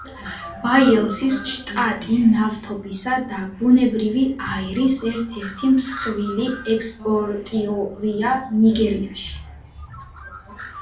ბაიელსის შტატი ნავთობისა და ბუნებრივი აირის ერთ-ერთი მსხვილი ექსპორტიორია ნიგერიაში.